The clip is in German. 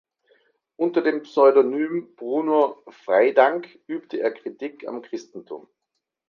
Unter dem Pseudonym Bruno Freydank übte er Kritik am Christentum.